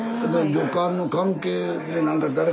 旅館の関係でなんか誰か。